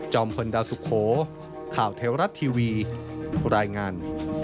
พลดาวสุโขข่าวเทวรัฐทีวีรายงาน